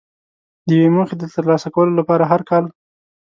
د یوې موخې د ترلاسه کولو لپاره هر کال.